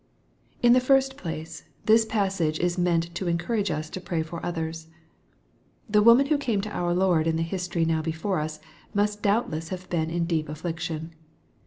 In the first place, this passage is meant to encourage us to pray for others. The woman who came to our Lord, in the history now before us, must doubtless have been in deep affliction.